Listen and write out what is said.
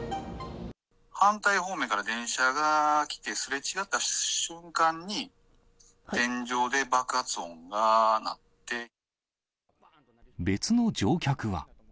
反対方面から電車が来て、すれ違った瞬間に、別の乗客は。